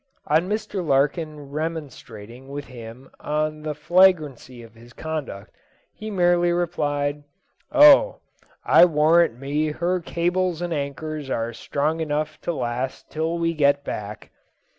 On Mr. Larkin remonstrating with him on the flagrancy of his conduct, he merely replied, "Oh, I warrant me her cables and anchors are strong enough to last till we get back."